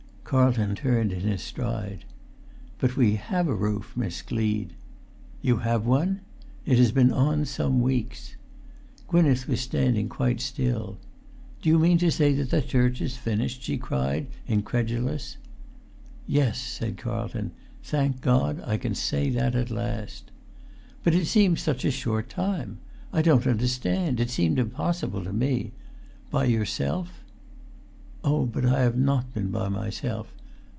Carlton turned in his stride. "But we have a roof, Miss Gleed!" "You have one?" "It has been on some weeks." Gwynneth was standing quite still. "Do you mean to say that the church is finished?" she cried, incredulous. "Yes," said Carlton; "thank God, I can say that at last." "But it seems such a short time! I don't understand. It seemed impossible to me—by yourself?" "Oh, but I have not been by myself.